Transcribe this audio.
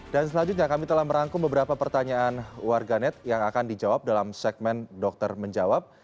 dan selanjutnya kami telah merangkum beberapa pertanyaan warganet yang akan dijawab dalam segmen dokter menjawab